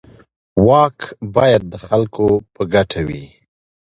واک باید د خلکو په ګټه وي.